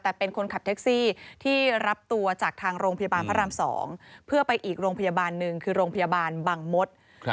แต่เป็นคนขับแท็กซี่ที่รับตัวจากทางโรงพยาบาลพระราม๒เพื่อไปอีกโรงพยาบาลหนึ่งคือโรงพยาบาลบังมศ